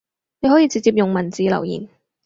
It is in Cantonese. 你可以直接用文字留言